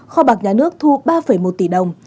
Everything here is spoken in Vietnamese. kho bạc nhà nước thu ba một tỷ đồng